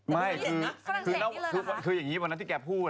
ไม่คืออย่างนี้วันนั้นที่แกพูด